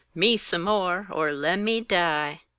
_ _Me some more er lem me die!